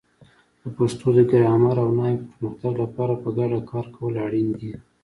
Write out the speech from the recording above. د پښتو د ګرامر او نحوې پرمختګ لپاره په ګډه کار کول اړین دي.